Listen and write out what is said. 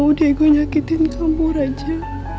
aku mau deh gue nyakitin kamu raja